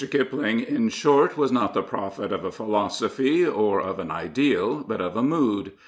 Kipling, in short, was not the prophet of a philosophy or of an ideal, but of a mood.